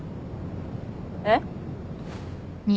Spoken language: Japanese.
えっ？